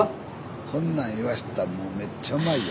こんなん言わしたもうめっちゃうまいよ。